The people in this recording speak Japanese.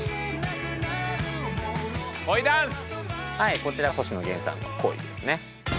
こちら星野源さんの「恋」ですね。